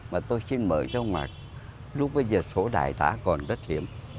mà tôi xin mời cho ông ạ lúc bây giờ số đại tá còn rất hiểm